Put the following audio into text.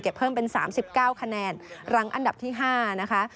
เพิ่มเป็น๓๙คะแนนรังอันดับที่๕นะคะ